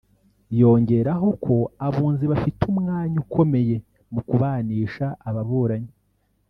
yongeraho ko abunzi bafite umwanya ukomeye mu kubanisha ababuranyi